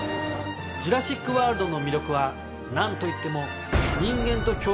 『ジュラシック・ワールド』の魅力は何といっても。